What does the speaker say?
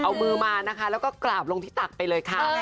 เอามือมานะคะแล้วก็กราบลงที่ตักไปเลยค่ะ